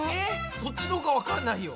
そっちのほうがわかんないよ！